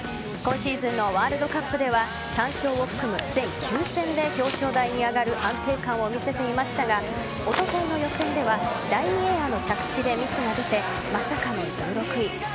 今シーズンのワールドカップでは３勝を含む全９戦で表彰台に上がる安定感を見せていましたがおとといの予選では第２エアの着地でミスが出てまさかの１６位。